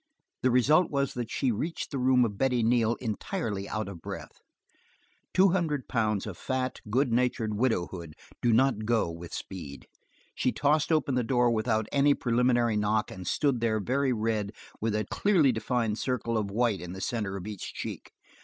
The result was that she, reached the room of Betty Neal entirely out of breath; two hundred pounds of fat, good natured widowhood do not go with speed. She tossed open the door without any preliminary knock and stood there very red with a clearly defined circle of white in the center of each check.